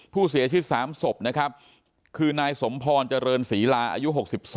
ผู้เสียชีวิต๓ศพนะครับคือนายสมพรเจริญศรีลาอายุ๖๒